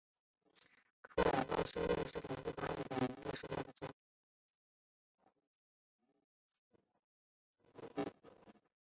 科尔翁是瑞士联邦西部法语区的沃州下设的一个镇。